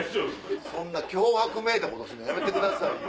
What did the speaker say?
そんな脅迫めいたことするのやめてくださいよ。